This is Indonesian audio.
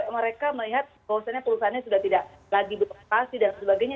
mereka melihat kalau misalnya perusahaannya sudah tidak lagi berpengkasih dan sebagainya